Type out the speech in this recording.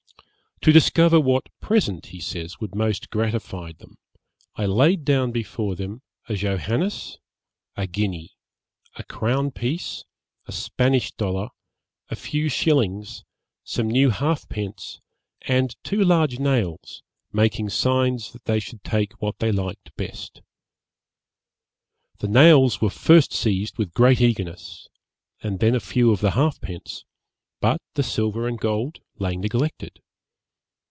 'To discover what present,' he says, 'would most gratify them, I laid down before them a Johannes, a guinea, a crown piece, a Spanish dollar, a few shillings, some new halfpence, and two large nails, making signs that they should take what they liked best. The nails were first seized with great eagerness, and then a few of the halfpence, but the silver and gold lay neglected.'